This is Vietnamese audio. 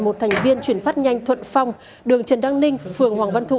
một thành viên chuyển phát nhanh thuận phong đường trần đăng ninh phường hoàng văn thụ